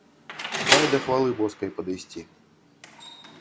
Дай да хвалы боскай падысці.